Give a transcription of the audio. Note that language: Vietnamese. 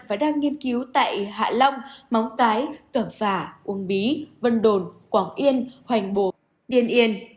và đang nghiên cứu tại hạ long móng cái cẩm phả uông bí vân đồn quảng yên hoành bồ tiên yên